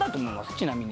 ちなみに。